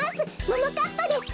ももかっぱです。